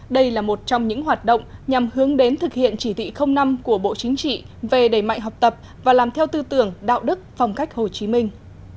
đây là một trong những hoạt động nhằm hướng đến thực hiện chỉ thị năm của bộ chính trị về đẩy mạnh học tập và làm theo tư tưởng đạo đức phong cách hồ chí minh